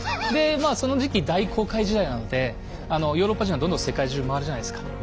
でまあその時期大航海時代なのでヨーロッパ人はどんどん世界中回るじゃないですか。